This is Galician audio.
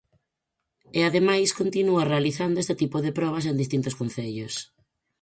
E ademais continúa realizando este tipo de probas en distintos concellos.